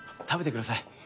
食べてください。